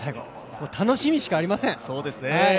もう楽しみしかありません。